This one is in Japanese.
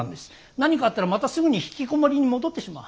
何かあったらまたすぐにひきこもりに戻ってしまう。